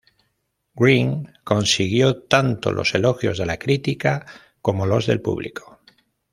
Greene consiguió tanto los elogios de la crítica como los del público.